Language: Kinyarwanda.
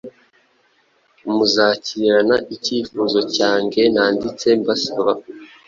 muzakirana ikifuzo cyange nanditse mbasaba.